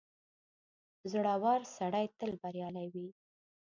• زړور سړی تل بریالی وي.